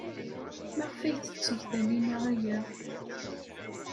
Maɣef ay tetteg Taninna aya?